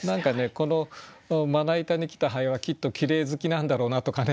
このまな板に来た蠅はきっときれい好きなんだろうなとかね